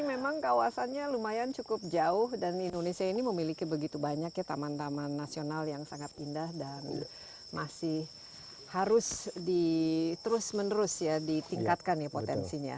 karena ini memang kawasannya lumayan cukup jauh dan indonesia ini memiliki begitu banyak ya taman taman nasional yang sangat indah dan masih harus diterus menerus ya ditingkatkan ya potensinya